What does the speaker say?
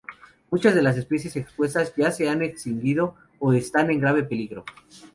Muchas de las especies expuestas ya se han extinguido, o están en grave peligro.